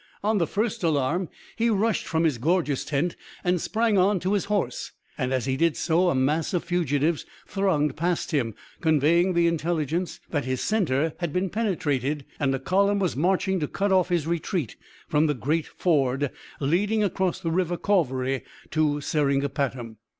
On the first alarm he rushed from his gorgeous tent and sprang on to his horse, and as he did so a mass of fugitives thronged past him, conveying the intelligence that his centre had been penetrated, and a column was marching to cut off his retreat from the great ford leading across the river Cauvery to Seringapatam.